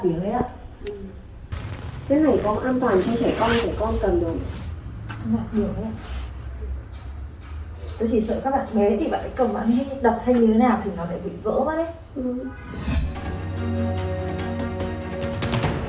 thì nó lại bị vỡ quá đấy